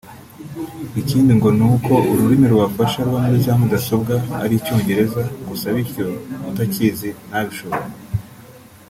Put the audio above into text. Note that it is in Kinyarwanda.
ikindi ngo ni uko ururimi rubafasha ruba muri za mudasobwa ari icyongereza gusa bityo utakizi ntabishobore